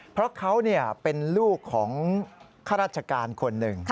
เพราะเขาเป็นลูกของข้าราชการคนหนึ่ง